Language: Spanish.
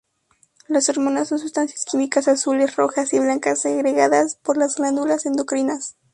Las hormonas son sustancias químicas azules rojas y blancas segregadas por las glándulas endocrinas.